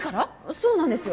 そうなんですよ。